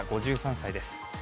５３歳です。